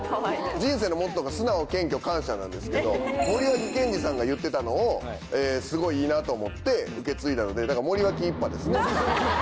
人生のモットーが「素直謙虚感謝」なんですけど森脇健児さんが言ってたのをすごいいいなと思って受け継いだのでだから。